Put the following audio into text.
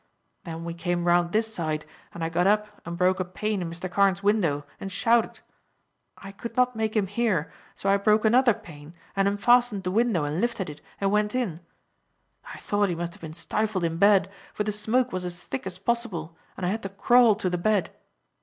Then we came round this side, and I got up and broke a pane in Mr. Carne's window and shouted. I could not make him hear, so I broke another pane and unfastened the window and lifted it, and went in. I thought he must have been stifled in bed, for the smoke was as thick as possible, and I had to crawl to the bed.